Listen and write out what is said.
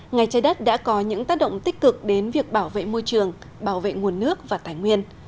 ngày trái đất đã có những tác động tích cực đến việc bảo vệ môi trường bảo vệ nguồn nước và tài nguyên